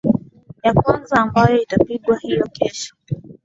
ya kwanza ambayo itapigwa hiyo kesho